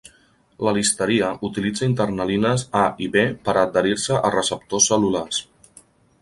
La Listeria utilitza internalines A i B per a adherir-se a receptors cel·lulars.